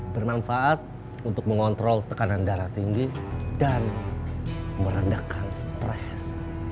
bermanfaat untuk mengontrol tekanan darah tinggi dan merendahkan stres